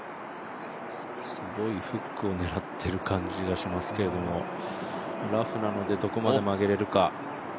すごいフックを狙ってる感じがしますけれども、ラフなのでどこまで曲げれるか。